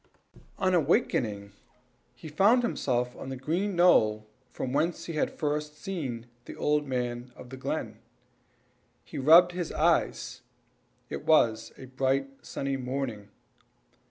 On waking, he found himself on the green knoll whence he had first seen the old man of the glen. He rubbed his eyes it was a bright, sunny morning.